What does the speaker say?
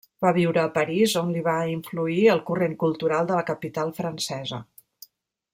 Va viure a París, on li va influir el corrent cultural de la capital francesa.